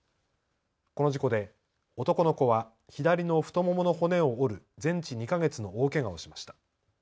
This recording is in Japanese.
この事故で男の子は左の太ももの骨を折る全治２か月の大けがをしました。